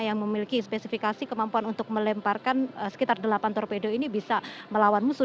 yang memiliki spesifikasi kemampuan untuk melemparkan sekitar delapan torpedo ini bisa melawan musuh